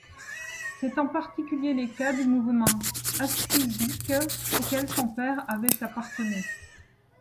C'est en particulier les cas du mouvement hassidique auquel son père avait appartenu.